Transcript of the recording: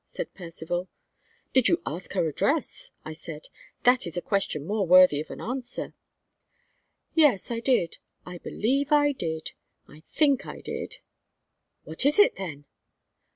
said Percivale. "Did you ask her address?" I said. "That is a question more worthy of an answer." "Yes, I did. I believe I did. I think I did." "What is it, then?"